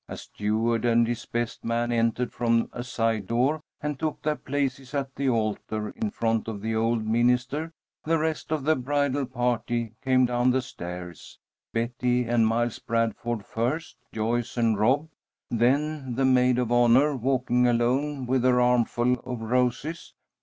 As Stuart and his best man entered from a side door and took their places at the altar in front of the old minister, the rest of the bridal party came down the stairs: Betty and Miles Bradford first, Joyce and Rob, then the maid of honor walking alone with her armful of roses.